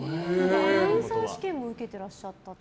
アナウンサー試験も受けていらっしゃったって。